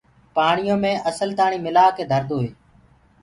پآڻيو مي اسل تآڻي مِلآ ڪي ڌردو هي۔